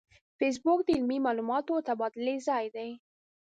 فېسبوک د علمي معلوماتو د تبادلې ځای دی